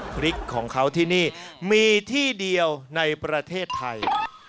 พริกของเขาที่นี่มีที่เดียวในประเทศไทย